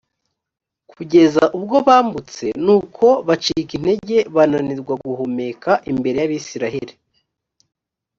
kugeza ubwo bambutse; nuko bacika intege, bananirwa guhumeka imbere y’abayisraheli.